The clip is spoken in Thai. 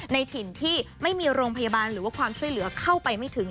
ในถิ่นที่ไม่มีโรงพยาบาลหรือว่าความช่วยเหลือเข้าไปไม่ถึง